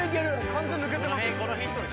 完全抜けてますよ。